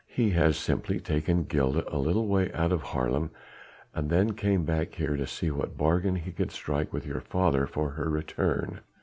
He has simply taken Gilda a little way out of Haarlem, and then came back here to see what bargain he could strike with your father for her return."